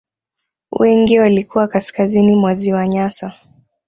Wengi walikuwa kaskazini mwa ziwa Nyasa